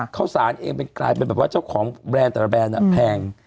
ข้าวสารเองกลายเป็นแบบว่าเจ้าของแบรนด์แต่ละแบรนด์แพง